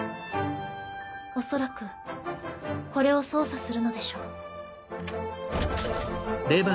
恐らくこれを操作するのでしょう。